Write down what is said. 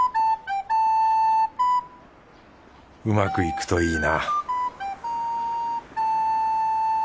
うまくいくといいな